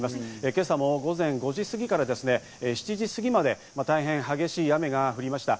今朝も午前５時過ぎから７時過ぎまで大変激しい雨が降りました。